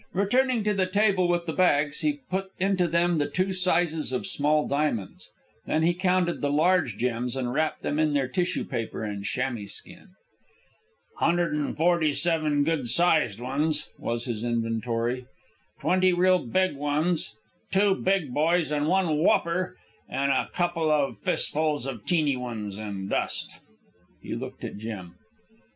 Returning to the table with the bags, he put into them the two sizes of small diamonds. Then he counted the large gems and wrapped them in their tissue paper and chamois skin. "Hundred an' forty seven good sized ones," was his inventory; "twenty real big ones; two big boys and one whopper; an' a couple of fistfuls of teeny ones an' dust." He looked at Jim.